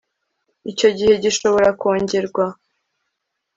icyo gihe gishobora kongerwa